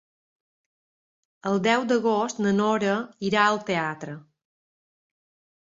El deu d'agost na Nora irà al teatre.